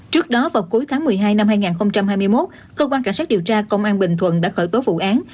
trước đó vào cuối tháng một mươi hai năm hai nghìn hai mươi một cơ quan cảnh sát điều tra công an bình thuận đã khởi tố vụ án